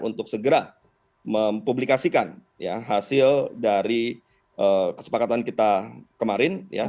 untuk segera mempublikasikan hasil dari kesepakatan kita kemarin